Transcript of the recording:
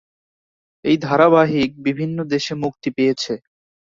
এই ধারাবাহিক বিভিন্ন দেশে মুক্তি পেয়েছে।